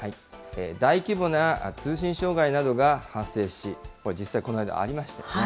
大規模な通信障害などが発生し、実際、この間ありましたよね。